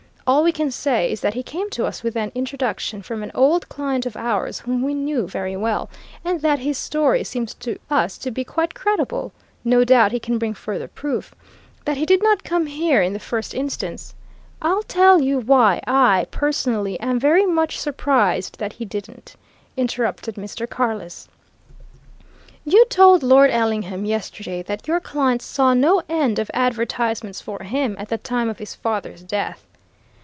"All we can say is that he came to us with an introduction from an old client of ours whom we knew very well, and that his story seems to us to be quite credible. No doubt he can bring further proof. That he did not come here in the first instance " "I'll tell you why I, personally, am very much surprised that he didn't," interrupted Mr. Carless. "You told Lord Ellingham yesterday that your client saw no end of advertisements for him at the time of his father's death.